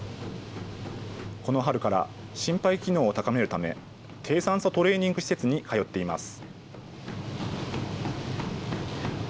この春から、心肺機能を高めるため、低酸素トレーニング施設に通っています。